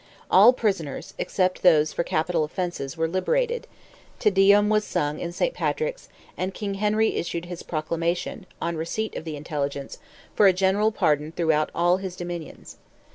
All prisoners, except those for capital offences, were liberated; Te Deum was sung in St. Patrick's, and King Henry issued his proclamation, on receipt of the intelligence, for a general pardon throughout all his dominions.